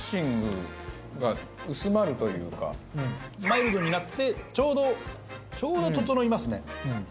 マイルドになってちょうどちょうど調いますね。